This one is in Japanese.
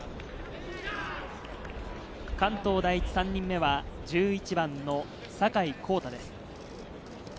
関東第一、３人目は１１番の坂井航太です。